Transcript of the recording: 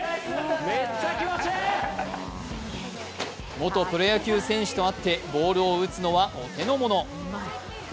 元プロ野球選手とあってボールを打つのはお手の物。